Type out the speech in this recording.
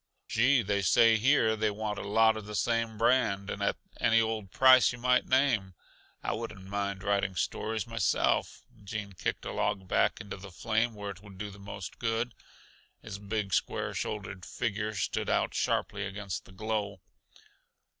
"Gee! they say here they want a lot the same brand, and at any old price yuh might name. I wouldn't mind writing stories myself." Gene kicked a log back into the flame where it would do the most good. His big, square shouldered figure stood out sharply against the glow.